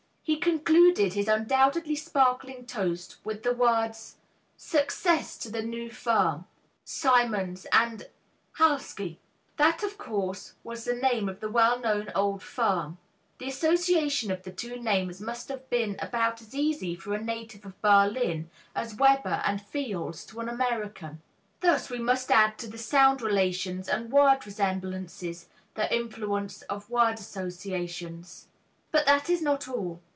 He concluded his undoubtedly sparkling toast with the words, "Success to the new firm Siemens and Halski!" That, of course, was the name of the well known old firm. The association of the two names must have been about as easy for a native of Berlin as "Weber and Fields" to an American. Thus we must add to the sound relations and word resemblances the influence of word associations. But that is not all.